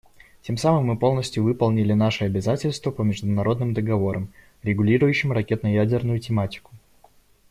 Тем самым мы полностью выполнили наши обязательства по международным договорам, регулирующим ракетно-ядерную тематику.